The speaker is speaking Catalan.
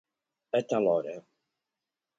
A tal hora.